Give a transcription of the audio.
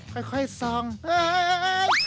ค่อยส่องหาย